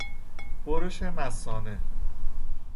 برش مثانه